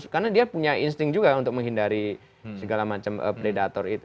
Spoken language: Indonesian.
karena dia punya insting juga untuk menghindari segala macam predator itu